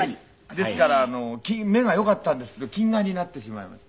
ですから目がよかったんですけど近眼になってしまいました。